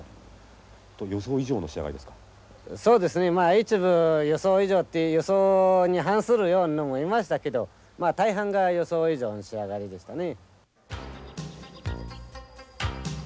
一部予想以上って予想に反するようなのもいましたけどまあ大半が予想以上の仕上がりでしたね。